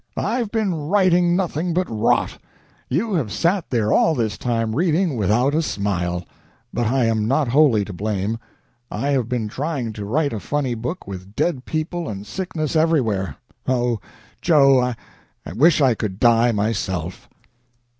I've been writing nothing but rot. You have sat there all this time reading without a smile but I am not wholly to blame. I have been trying to write a funny book with dead people and sickness everywhere. Oh, Joe, I wish I could die myself!"